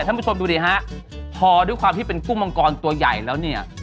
ท่านผู้ชมดูดิฮะพอด้วยความที่เป็นกุ้งมังกรตัวใหญ่แล้วเนี่ย